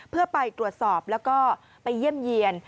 เพื่อไปตรวจสอบแล้วก็ไปเยี่ยมเยี่ยน